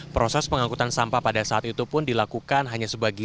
proses pengangkutan sampah pada saat itu pun dilakukan hanya sebagian